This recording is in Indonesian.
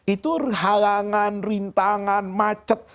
itu halangan rintangan macet